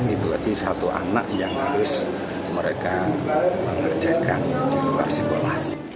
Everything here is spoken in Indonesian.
itu tadi satu anak yang harus mereka mengerjakan di luar sekolah